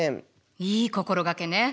いい心掛けね。